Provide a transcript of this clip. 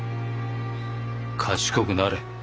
賢くなれ。